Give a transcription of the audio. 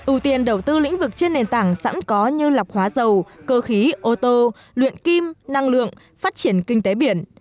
ưu tiên đầu tư lĩnh vực trên nền tảng sẵn có như lọc hóa dầu cơ khí ô tô luyện kim năng lượng phát triển kinh tế biển